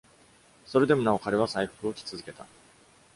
それでもなお、彼は祭服を着続けた。